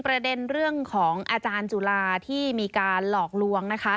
ประเด็นเรื่องของอาจารย์จุฬาที่มีการหลอกลวงนะคะ